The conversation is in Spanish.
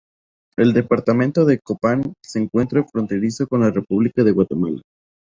El departamento de Copán, se encuentra fronterizo con la república de Guatemala.